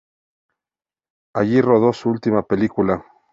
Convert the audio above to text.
Allí rodó su última película.